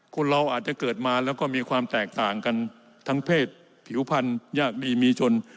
คนเราอาจจะเกิดมาแล้วก็มีความแตกต่างกันทั้งเพศผิวพันธ์ยากดีมีชน